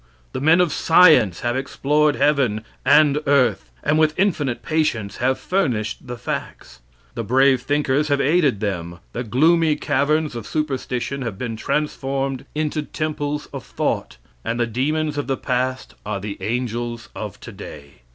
The men of science have explored heaven and earth, and with infinite patience have furnished the facts. The brave thinkers have aided them. The gloomy caverns of superstition have been transformed into temples of thought, and the demons of the past are the angels of today.